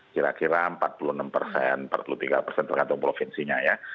kira kira empat puluh enam persen empat puluh tiga persen tergantung provinsinya ya